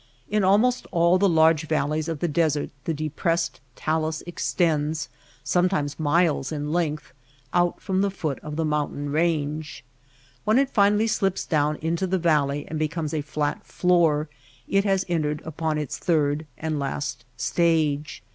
In almost all the large valleys of the desert the depressed talus extends, sometimes miles in length, out from the foot of the moun tain range. When it finally slips down into the valley and becomes a flat floor it has entered upon its third and last stage.